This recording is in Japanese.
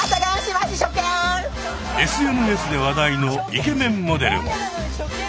ＳＮＳで話題のイケメンモデルも。